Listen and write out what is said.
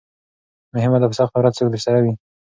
مهمه ده په سخته ورځ څوک درسره وي.